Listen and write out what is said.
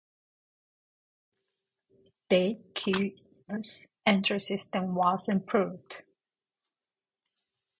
The keyless entry system was improved.